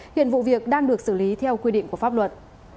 hiện vụ việc đang được xử lý theo quy định của pháp luật